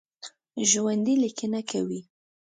ژوندي لیکنه کوي